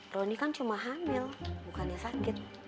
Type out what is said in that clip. roni kan cuma hamil bukannya sakit